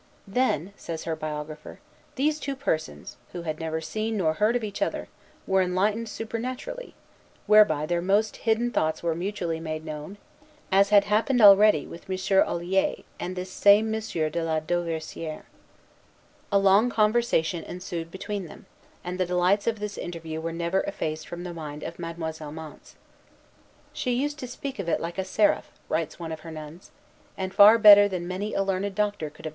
"Then," says her biographer, "these two persons, who had never seen nor heard of each other, were enlightened supernaturally, whereby their most hidden thoughts were mutually made known, as had happened already with M. Olier and this same M. de la Dauversière." A long conversation ensued between them; and the delights of this interview were never effaced from the mind of Mademoiselle Mance. "She used to speak of it like a seraph," writes one of her nuns, "and far better than many a learned doctor could have done."